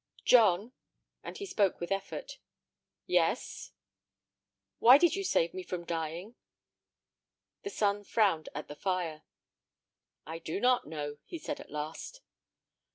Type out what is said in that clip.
"John." And he spoke with effort. "Yes." "Why did you save me from dying?" The son frowned at the fire. "I do not know," he said, at last.